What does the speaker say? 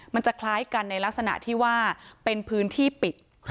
มันจะคล้ายกันในลักษณะที่ว่าเป็นพื้นที่ปิด